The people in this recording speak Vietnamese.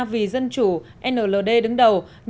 vì dân chủ nld đứng đầu